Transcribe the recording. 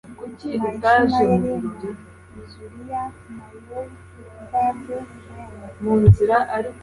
na ishimerayi na izuliya na yobabu bene